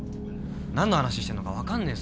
何の話してんのか分かんねえぞ。